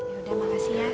ya udah makasih ya